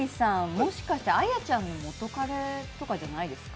もしかして、アヤちゃんの元彼とかじゃないですか？